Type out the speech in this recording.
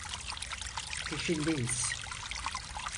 Peşindeyiz.